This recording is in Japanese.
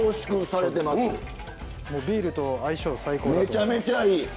ビールと相性最高だと思います。